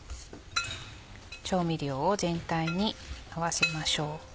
調味料を全体に合わせましょう。